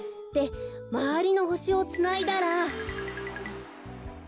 でまわりのほしをつないだら。